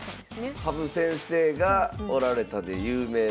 羽生先生がおられたで有名な。